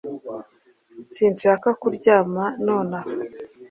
Sinshaka kuryama nonaha.